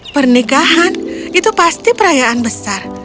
pernikahan itu pasti perayaan besar